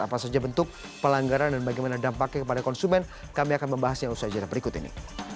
apa saja bentuk pelanggaran dan bagaimana dampaknya kepada konsumen kami akan membahasnya usaha jadwal berikut ini